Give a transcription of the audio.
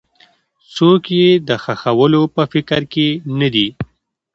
څوک یې د ښخولو په فکر کې نه دي.